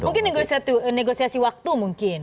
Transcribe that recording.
mungkin negosiasi waktu mungkin